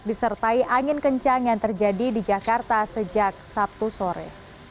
disertai angin kencang yang terjadi di jakarta sejak sabtu sore